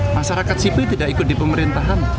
masyarakat sipil tidak ikut di pemerintahan